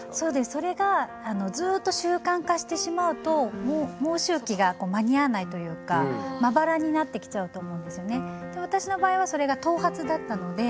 それがずっと習慣化してしまうと毛周期がこう間に合わないというかまばらになってきちゃうと思うんですよね。